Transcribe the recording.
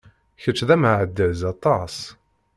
Kečč d ameɛdaz aṭas!